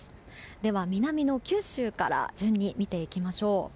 では南の九州から順に見ていきましょう。